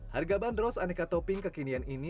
harga bandros aneka topping kekinian ini